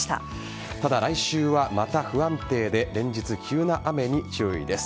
ただ、来週はまた不安定で連日、急な雨に注意です。